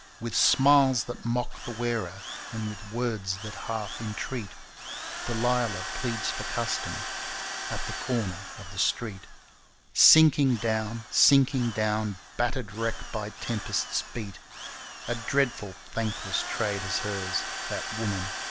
With smiles that mock the wearer, and with words that half entreat, Delilah pleads for custom at the corner of the street Sinking down, sinking down, Battered wreck by tempests beat A dreadful, thankless trade is hers, that Woman of the Street.